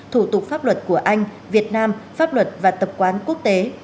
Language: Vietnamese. thủ tục pháp luật của anh việt nam pháp luật và tập quán quốc tế